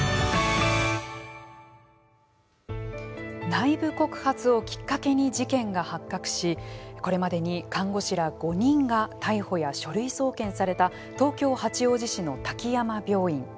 内部告発をきっかけに事件が発覚しこれまでに看護師ら５人が逮捕や書類送検された東京・八王子市の滝山病院。